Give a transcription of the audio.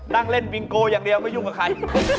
นั่งเล่นวิงโกอย่างเดียวไม่ยุ่งกับใคร